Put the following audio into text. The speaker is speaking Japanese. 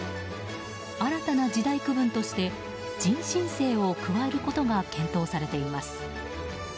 新たな時代区分として人新世を加えることが検討されています。